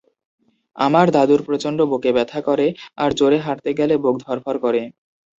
আমার দাদুর প্রচন্ড বুকে ব্যথা করে আর জোরে হাঁটতে গেলে বুক ধরফর করে।